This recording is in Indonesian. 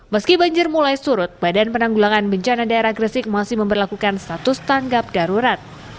meski banjir mulai surut badan penanggulangan bencana daerah gresik masih memperlakukan status tanggap darurat